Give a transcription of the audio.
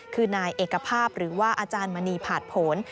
คือนายเอกภาพหรือว่าอาจารย์มณีผ่านผล